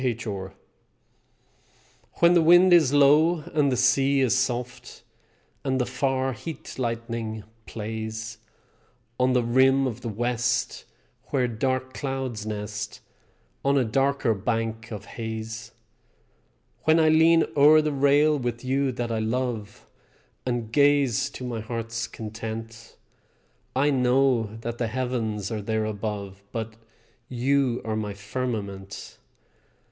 H. R._) When the wind is low, and the sea is soft, And the far heat lightning plays On the rim of the West where dark clouds nest On a darker bank of haze; When I lean o'er the rail with you that I love And gaze to my heart's content; I know that the heavens are there above But you are my firmament.